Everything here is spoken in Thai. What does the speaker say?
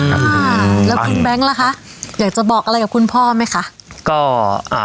อ่าแล้วคุณแบงค์ล่ะคะอยากจะบอกอะไรกับคุณพ่อไหมคะก็อ่า